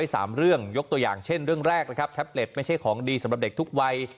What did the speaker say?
สามเรื่องยกตัวอย่างเช่นเรื่องแรกนะครับแท็บเล็ตไม่ใช่ของดีสำหรับเด็กทุกวัย